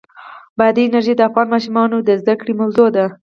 بادي انرژي د افغان ماشومانو د زده کړې موضوع ده.